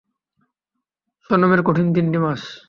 সোনমের কঠিন তিনটি মাস